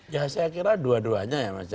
ya saya kira dua duanya ya mas